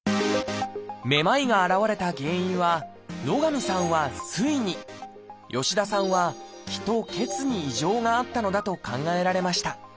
めまいが現れた原因は野上さんは「水」に吉田さんは「気」と「血」に異常があったのだと考えられました。